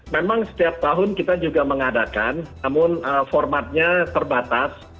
memang setiap tahun kita juga mengadakan namun formatnya terbatas